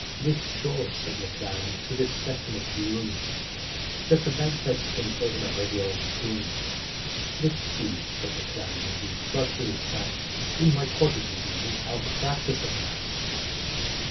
"Let's show," said M'CLAN, "to this Sassenach loon That the bagpipes can play him a regular tune. Let's see," said M'CLAN, as he thoughtfully sat, "'In my Cottage' is easy—I'll practise at that."